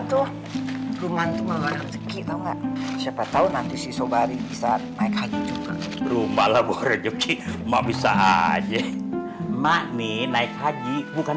tuh rumah itu mau kita siapa tahu nanti bisa naik haji rumah bisa aja makni naik haji bukan